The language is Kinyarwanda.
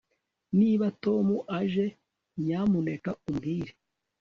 Niba Tom aje nyamuneka umbwire